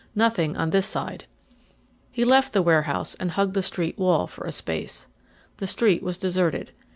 Nothing on this side. He left the warehouse and hugged the street wall for a space. The street was deserted.